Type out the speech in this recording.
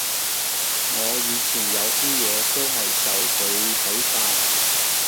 我以前有啲嘢都係受佢啓發